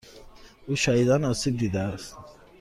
او شدیدا آسیب دیده است.